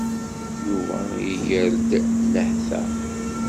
Yuba iger-d nnehta.